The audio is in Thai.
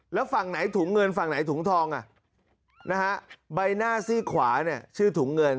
แล้วฝั่งไหนถุงเงินฝั่งไหนถุงทองใบหน้าซี่ขวาเนี่ยชื่อถุงเงิน